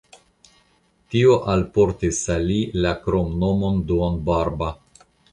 Tio alportis al li la kromnomon "duonbarba".